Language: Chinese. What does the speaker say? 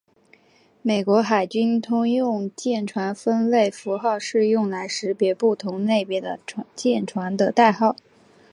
美国海军通用舰船分类符号是用来识别不同类别的舰船的代号。